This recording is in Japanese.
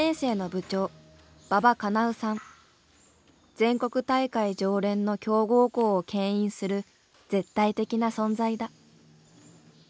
全国大会常連の強豪校をけん引する絶対的な存在だ。